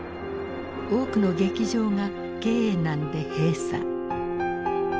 多くの劇場が経営難で閉鎖。